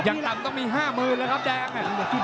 อยากต่ำต้องมี๕มือแล้วครับแดง